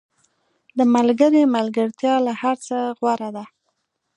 • د ملګري ملګرتیا له هر څه غوره ده.